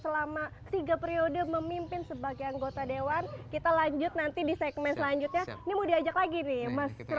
lebih dalam lagi seperti apa jurus